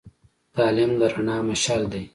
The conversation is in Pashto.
تعلیم د رڼا مشعل دی.